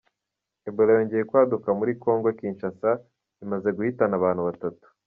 Ebola yongeye kwaduka muri Congo Kinshasa, imaze guhitana batatu.